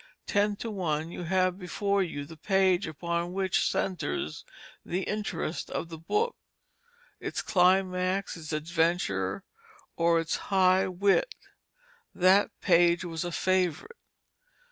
Ten to one you have before you the page upon which centres the interest of the book, its climax, its adventure, or its high wit. That page was a favorite.